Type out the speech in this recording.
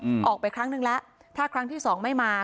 อืมออกไปครั้งหนึ่งแล้วถ้าครั้งที่สองไม่มา